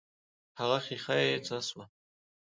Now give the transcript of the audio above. هغه ښيښه يې څه سوه.